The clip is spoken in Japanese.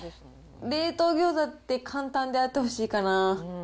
冷凍餃子って簡単であってほしいかな。